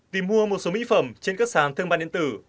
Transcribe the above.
tìm mua một số mỹ phẩm trên các sàn thương mại điện tử